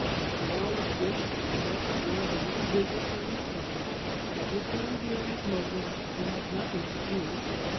To all of which, and much more, the little Visiter replied, that with Yan Buren 's motives it had nothing to do.